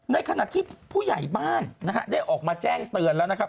ในขณะที่ผู้ใหญ่บ้านนะฮะได้ออกมาแจ้งเตือนแล้วนะครับ